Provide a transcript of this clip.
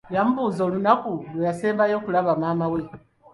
Yamubuuza olunaku lwe yasembayo okulaba maama we.